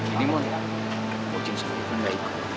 ini mon bucin sama ivan gak ikut